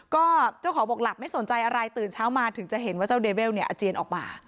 ก็เจ้าของบอกหลับไม่สนใจอะไรตื่นเช้ามาถึงจะเห็นว่าเจ้าเดเวลเนี่ยอาเจียนออกมา